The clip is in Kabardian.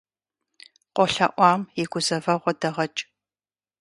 КъолъэӀуам и гузэвэгъуэ дэгъэкӀ.